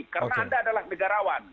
karena anda adalah negarawan